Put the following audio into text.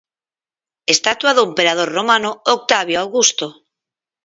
Estatua do emperador romano Octavio Augusto.